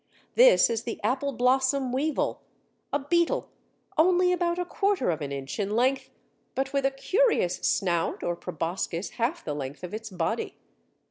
This is the Apple blossom Weevil, a beetle only about quarter of an inch in length, but with a curious snout or proboscis half the length of its body.